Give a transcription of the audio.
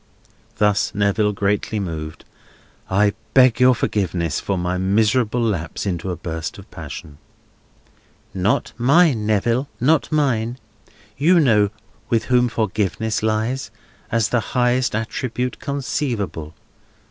Thus Neville, greatly moved. "I beg your forgiveness for my miserable lapse into a burst of passion." "Not mine, Neville, not mine. You know with whom forgiveness lies, as the highest attribute conceivable.